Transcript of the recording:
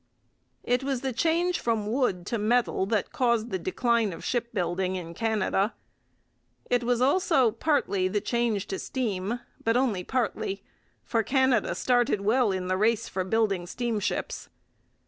It was the change from wood to metal that caused the decline of shipbuilding in Canada. It was also partly the change to steam; but only partly, for Canada started well in the race for building steamships.